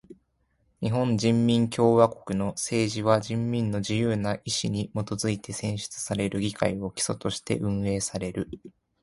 日本人民共和国の政治は人民の自由な意志にもとづいて選出される議会を基礎として運営される。